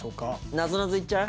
なぞなぞいっちゃう？